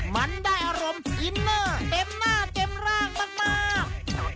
มันได้อารมณ์อินเนอร์เต็มหน้าเต็มร่างมาก